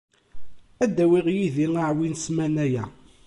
Ad d-awiɣ yid-i aɛwin ssmana-ya.